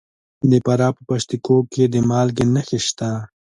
د فراه په پشت کوه کې د مالګې نښې شته.